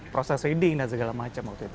proses reading dan segala macam waktu itu